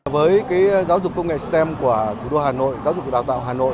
với giáo dục công nghệ stem của thủ đô hà nội giáo dục đào tạo hà nội